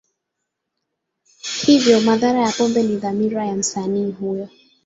Hivyo, madhara ya pombe ni dhamira ya msanii huyo.